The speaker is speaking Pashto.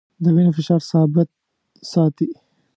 د وینې فشار ثابت ساتي.